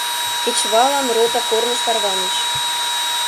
Кечываллан рота корныш тарваныш.